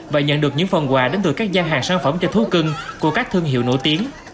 và nhận được những phần quà đến từ các gian hàng sản phẩm cho thú cưng của các thương hiệu nổi tiếng